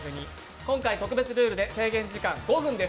今回、特別ルールで制限時間５分です。